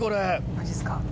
マジっすか。